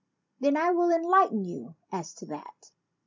Then I will enlighten you as to that.